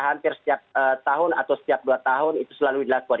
hampir setiap tahun atau setiap dua tahun itu selalu dilakukan